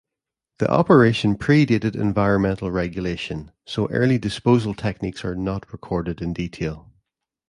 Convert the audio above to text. The operation predated environmental regulation, so early disposal techniques are not recorded in detail.